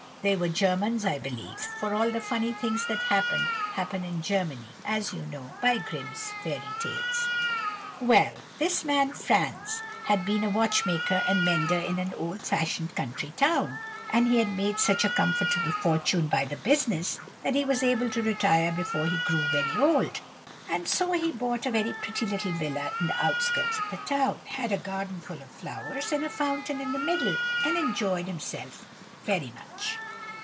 They were Germans, I believe, for all the funny things that happen, happen in Germany, as you know by Grimm's fairy tales. "Well! this man, Franz, had been a watchmaker and mender in an old fashioned country town, and he had made such a comfortable fortune by the business, that he was able to retire before he grew very old; and so he bought a very pretty little villa in the outskirts of the town, had a garden full of flowers with a fountain in the middle, and enjoyed himself very much.